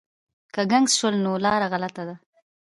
که ګنګس شول نو لاره غلطه ده.